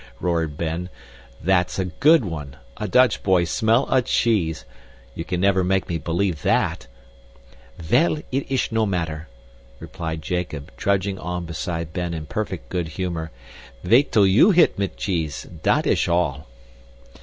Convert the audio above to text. roared Ben. "That's a good one. A Dutch boy smell a cheese! You can never make me believe THAT!" "Vell, it ish no matter," replied Jacob, trudging on beside Ben in perfect good humor. "Vait till you hit mit cheese dat ish all."